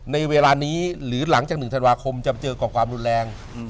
ในเวลานี้หรือหลังจาก๑ธันวาคมจะเจอกับความรุนแรง